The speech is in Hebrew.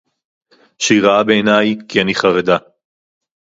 שהיא רעה בעיני, כי אני חרדה